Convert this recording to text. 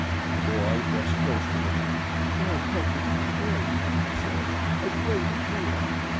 The boy pressed close to the man. "God help me to be brave," he said, "as brave as you are.